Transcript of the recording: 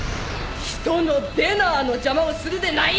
人のディナーの邪魔をするでないよ！